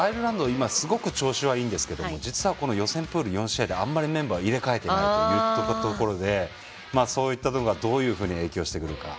今、すごく調子はいいんですけど実は、予選プール４試合であんまりメンバーを入れ替えていないというところでそういった部分がどういうふうに影響してくるのか。